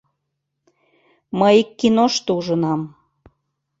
Мый ик киношто ужынам.